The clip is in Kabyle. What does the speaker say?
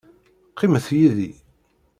Qqimet yid-i.